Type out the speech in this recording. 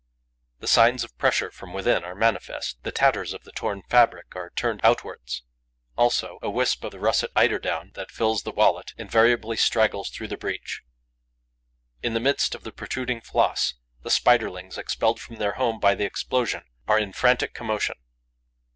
The signs of pressure from within are manifest: the tatters of the torn fabric are turned outwards; also, a wisp of the russet eiderdown that fills the wallet invariably straggles through the breach. In the midst of the protruding floss, the Spiderlings, expelled from their home by the explosion, are in frantic commotion.